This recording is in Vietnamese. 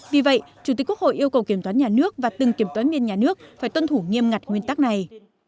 vì vậy chủ tịch quốc hội yêu cầu kiểm toán nhà nước và từng kiểm toán viên nhà nước phải tuân thủ nghiêm ngặt nguyên tắc này